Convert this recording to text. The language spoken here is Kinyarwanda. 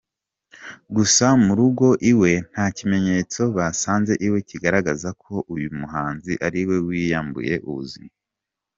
Gusa mu rugo iwe ntakimenyetso basanze iwe kigaragaza ko uyu muhanzi ariwe wiyambuye ubuzima.